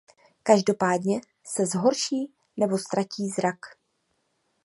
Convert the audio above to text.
Každopádně se zhorší nebo ztratí zrak.